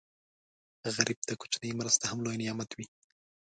غریب ته کوچنۍ مرسته هم لوی نعمت وي